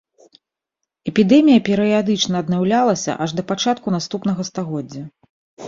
Эпідэмія перыядычна аднаўлялася аж да пачатку наступнага стагоддзя.